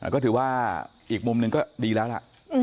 ก็ถือว่าอีกมุมหนึ่งก็ดีแล้วล่ะ